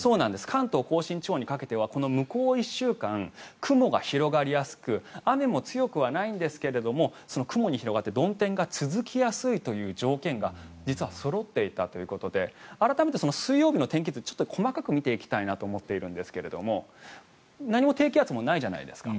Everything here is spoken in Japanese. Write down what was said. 関東・甲信地方にかけてはこの向こう１週間雲が広がりやすく雨も強くはないんですけれども雲に広がって曇天が続きやすいという条件が実はそろっていたということで改めて水曜日の天気図を細かく見ていきたいと思うんですが何も低気圧もないじゃないですか。